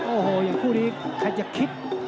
โอ้โหอย่างคู่นี้ใครจะคิด